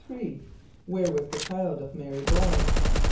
= Where was the child of M[=a]´r[)y] born?